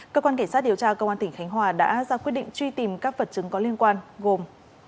cơ quan cảnh sát điều tra công an tỉnh khánh hòa đã ra quyết định truy tìm các vật chứng có liên quan gồm